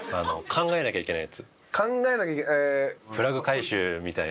考えなきゃいけない。